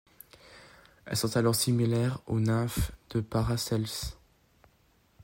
Elles sont alors similaires aux nymphes de Paracelse.